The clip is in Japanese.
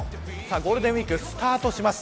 ゴールデンウイークスタートします。